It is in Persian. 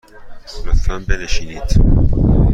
لطفاً بنشینید.